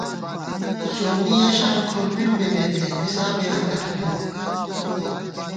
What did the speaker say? سومّی یَہ شان کھُر مِنڈ بِمېت احتِسابے اختہ تھنَئیت